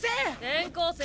転校生。